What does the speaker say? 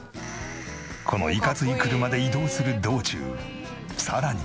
このいかつい車で移動する道中さらに。